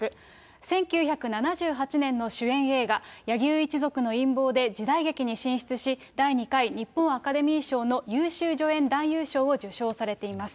１９７８年の主演映画、柳生一族の陰謀で時代劇に進出し、第２回日本アカデミー賞の優秀助演男優賞を受賞されています。